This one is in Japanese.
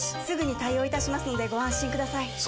すぐに対応いたしますのでご安心ください